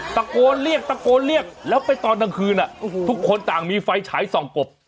ตะโกนเรียกตะโกนเรียกแล้วไปตอนกลางคืนทุกคนต่างมีไฟฉายส่องกบ